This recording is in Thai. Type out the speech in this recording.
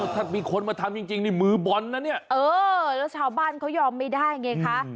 ถ้ามีคนมาทำจริงนี่มือบอลนะเนี่ยเออแล้วชาวบ้านเขายอมไม่ได้ไงคะ